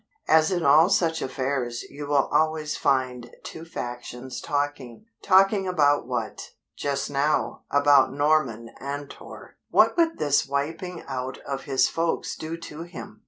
As in all such affairs you will always find two factions talking. Talking about what? Just now, about Norman Antor. What would this wiping out of his folks do to him?